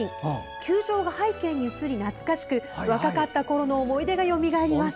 球場が背景に写り懐かしく若かったころの思い出がよみがえります。